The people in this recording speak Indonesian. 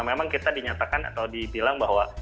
memang kita dinyatakan atau dibilang bahwa